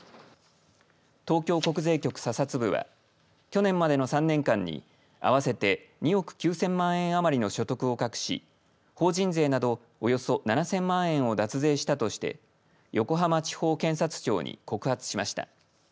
東京国税局査察部は去年までの３年間にあわせて２億９０００万円あまりの所得を隠し法人税など、およそ７０００万円を脱税したとして横浜地方検察庁に告発しました。